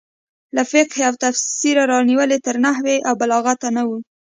له فقهې او تفسیره رانیولې تر نحو او بلاغته نه وو.